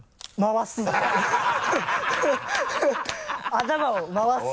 頭を回す。